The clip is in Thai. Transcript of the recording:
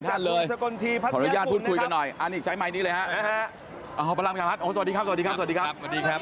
มาได้เลยถ้าขออนุญาตพูดคุยกันหน่อยใช้ไมค์นี้เลยฮะโอ้พลังมัชฌรัฐสวัสดีครับ